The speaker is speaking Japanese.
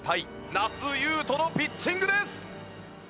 那須雄登のピッチングです！